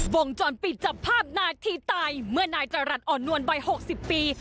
วงจรปิดจับภาพนาทีตายเมื่อนายจรัสอ่อนนวลวัย๖๐ปี